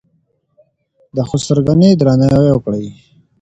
د خسرګنۍ درناوی وکړئ.